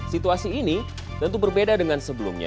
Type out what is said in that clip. situasi ini tentu berbeda dengan sebelumnya